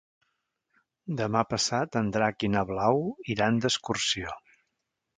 Demà passat en Drac i na Blau iran d'excursió.